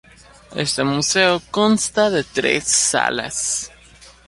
Este museo consta de tres salas.